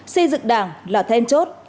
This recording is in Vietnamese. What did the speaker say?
xây dựng đảng là then chốt